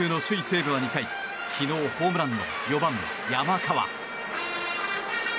西武は２回昨日、ホームランの４番、山川。